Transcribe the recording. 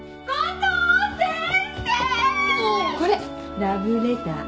これラブレター。